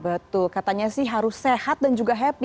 betul katanya sih harus sehat dan juga happy